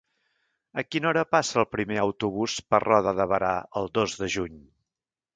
A quina hora passa el primer autobús per Roda de Berà el dos de juny?